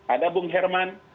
ada bung herman